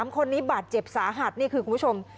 ๓คนนี้บาดเจ็บสาหัสนี่คือคุณผู้ชม